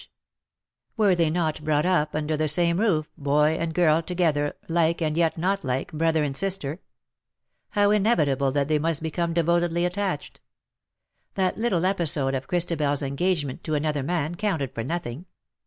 172 ^^AND PALE FROM THE PAST Were they not brought up under the same roof, boy and girl together, like, and yet not like, brother and sister. How inevitable that they must become devotedly attached. That little episode of ChristabeFs engagement to another man counted for nothing.